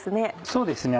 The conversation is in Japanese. そうですね